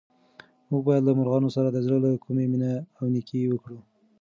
موږ باید له مرغانو سره د زړه له کومې مینه او نېکي وکړو.